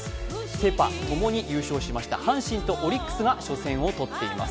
セ・パともに優勝しました阪神とオリックスがともに初戦をとっています。